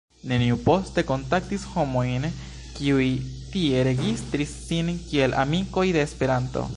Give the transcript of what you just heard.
Neniu poste kontaktis homojn, kiuj tie registris sin kiel ”amikoj de Esperanto”.